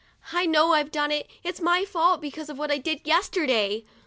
'I know I've done it; it's my fault, because of what I did yesterday."